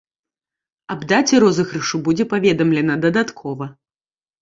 Аб даце розыгрышу будзе паведамлена дадаткова.